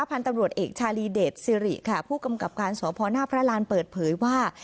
พันธุ์ตำรวจเอกชาลีเดชสิริค่ะผู้กำกับการสพหน้าพระรานเปิดเผยว่า